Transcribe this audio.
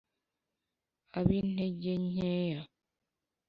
ab’intege nkeya